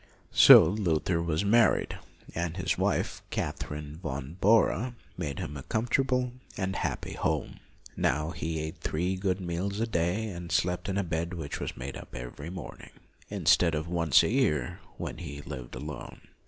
'' So Luther was married, and his wife, Katherine von Bora, made him a com LUTHER 27 fortable and happy home. Now he ate three good meals a day, and slept in a bed which was made up every morning, instead of once a year as when he lived alone.